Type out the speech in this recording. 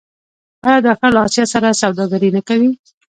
آیا دا ښار له اسیا سره سوداګري نه کوي؟